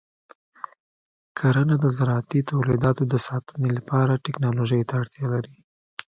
کرنه د زراعتي تولیداتو د ساتنې لپاره ټیکنالوژۍ ته اړتیا لري.